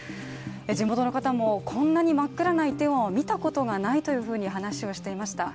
地元の方もこんなに真っ暗なイテウォンは見たことがないというふうに話をしていました。